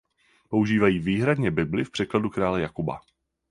Používají výhradně bibli v překladu krále Jakuba.